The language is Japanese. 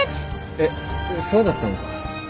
えっそうだったのか。